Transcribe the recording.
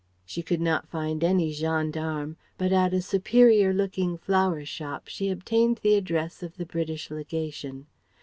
She could not find any gendarme, but at a superior looking flower shop she obtained the address of the British Legation.